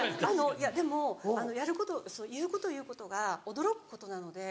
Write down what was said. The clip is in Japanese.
でも言うこと言うことが驚くことなので。